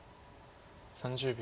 ３０秒。